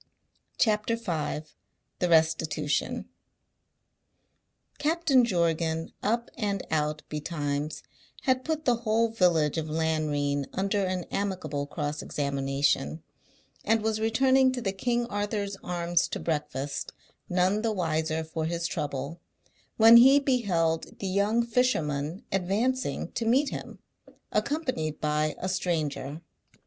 CHAPTER V THE RESTITUTION Captain Jorgan, up and out betimes, had put the whole village of Lanrean under an amicable cross examination, and was returning to the King Arthur's Arms to breakfast, none the wiser for his trouble, when he beheld the young fisherman advancing to meet him, accompanied by a stranger.